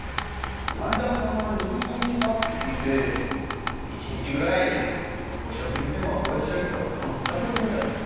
前田さんは入院したって聞いて１日ぐらいお食事でもご一緒にと誘ってみたんです。